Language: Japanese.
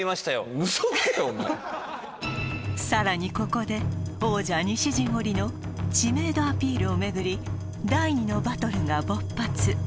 ウソつけお前さらにここで王者西陣織の知名度アピールをめぐり第二のバトルが勃発